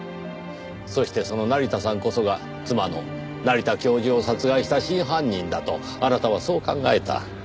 そしてその成田さんこそが妻の成田教授を殺害した真犯人だとあなたはそう考えた。